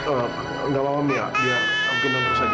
enggak maaf mia dia mungkin nangis aja